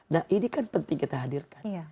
nah ini kan penting kita hadirkan